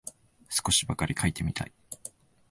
少しばかり書いてみたい